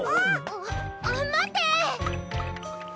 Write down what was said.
あっまって！